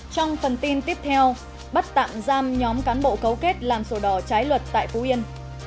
trong phần tin tiếp theo bắt tạm giam nhóm cán bộ cấu kết làm sổ đỏ trái luật tại phú yên